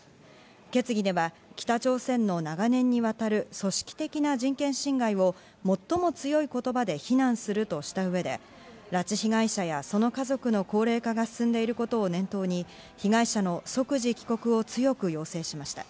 決議では北朝鮮の長年にわたる組織的な人権侵害を最も強い言葉で非難するとした上で、拉致被害者やその家族の高齢化が進んでいることを念頭に、被害者の即時帰国を強く要請しました。